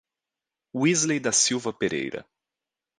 Wisley da Silva Pereira